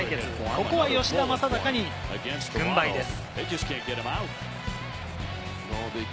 ここは吉田正尚に軍配です。